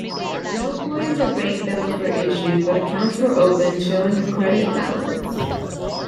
No coins or banknotes were issued, but accounts were opened showing a credit balance.